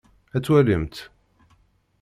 Ad twalimt.